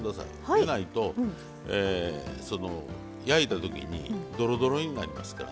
でないと焼いたときにどろどろになりますからね。